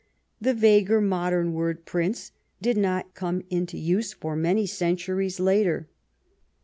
The vaguer modern word "prince" did not come into use for many centuries later.